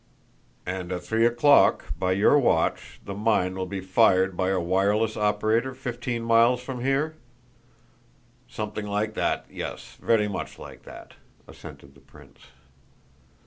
"And at three o'clock, by your watch, the mine will be fired by a wireless operator fifteen miles from here?" "Something like that; yes, very much like that," assented the prince.